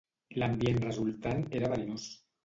L'ambient resultant era verinós.